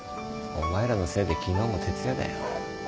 お前らのせいで昨日も徹夜だよ。